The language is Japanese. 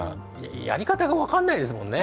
やり方が分かんないですもんね。